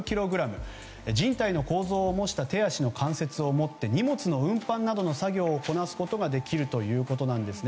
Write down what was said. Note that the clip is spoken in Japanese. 人体の構造を模した手足の関節を持って荷物の運搬などの作業をこなすことができるということです。